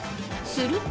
［すると］